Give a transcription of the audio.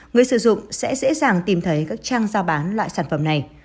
người sử dụng sẽ dễ dàng tìm thấy các trang giao bán loại sản phẩm này